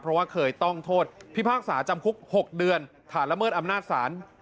เพราะว่าเคยต้องโทษพิพากษาจำคุก๖เดือนฐานละเมิดอำนาจศาล